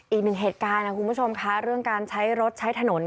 อีกหนึ่งเหตุการณ์นะคุณผู้ชมค่ะเรื่องการใช้รถใช้ถนน